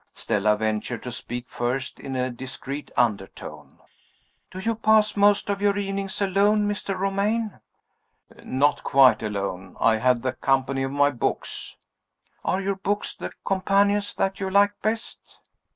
Stella ventured to speak first, in a discreet undertone. "Do you pass most of your evenings alone, Mr. Romayne?" "Not quite alone. I have the company of my books." "Are your books the companions that you like best?"